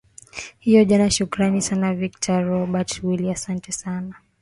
hiyo jana shukrani sana victor robert willi asante sana